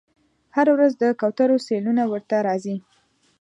هره ورځ د کوترو سیلونه ورته راځي